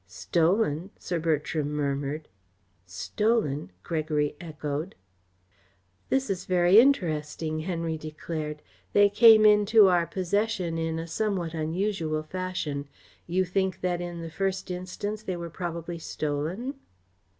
"Stolen!" Sir Bertram murmured. "Stolen!" Gregory echoed. "This is very interesting," Henry declared. "They came into our possession in a somewhat unusual fashion. You think that in the first instance they were probably stolen?"